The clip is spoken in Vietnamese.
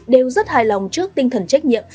đều rất hài lòng trước tinh thần trách nhiệm